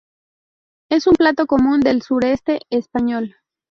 Es un plato común del sureste español.